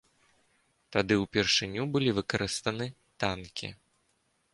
Тады ўпершыню былі выкарыстаны танкі.